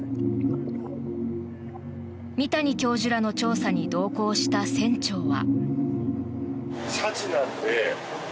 三谷教授らの調査に同行した船長は。